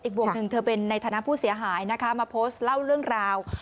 บวกหนึ่งเธอเป็นในฐานะผู้เสียหายนะคะมาโพสต์เล่าเรื่องราว